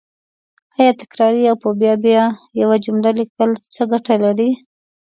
آیا تکراري او په بیا بیا یوه جمله لیکل څه ګټه لري